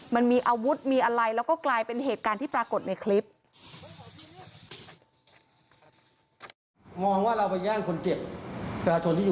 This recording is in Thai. มันมีอาวุธมีอะไรแล้วก็กลายเป็นเหตุการณ์ที่ปรากฏในคลิป